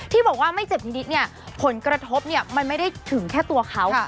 ที่บอกว่าไม่เจ็บนิดเนี่ยผลกระทบเนี่ยมันไม่ได้ถึงแค่ตัวเขา